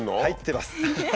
入ってます。